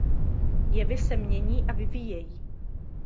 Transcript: Jevy se mění a vyvíjejí.